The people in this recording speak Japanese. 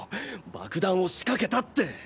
爆弾を仕掛けたって。